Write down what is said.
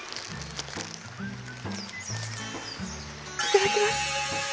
いただきます。